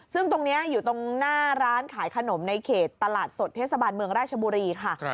ซึ่งตรงนี้อยู่ตรงหน้าร้านขายขนมในเขตตลาดสดเทศบาลเมืองราชบุรีค่ะ